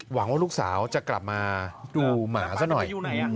หวังว่าลูกสาวจะกลับมาดูหมาซะหน่อย